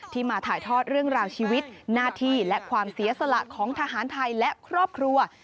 มาถ่ายทอดเรื่องราวชีวิตหน้าที่และความเสียสละของทหารไทยและครอบครัว